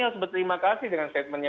harus berterima kasih dengan statementnya